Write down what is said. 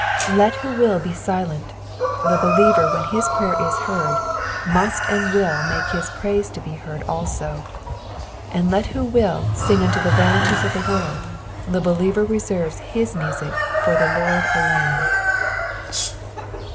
Let who will be silent, the believer when his prayer is heard, must and will make his praise to be heard also ; and let who will sing unto the ranities of the world, the believer reserves his music for the Lord alone.